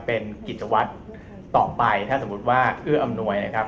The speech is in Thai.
เป็นกิจวัตรต่อไปถ้าสมมุติว่าเอื้ออำนวยนะครับ